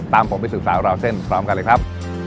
ตามผมไปสู่สารของเราเส้นพร้อมกันเลยครับ